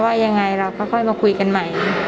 ว่ายังไงเราค่อยมาคุยกันใหม่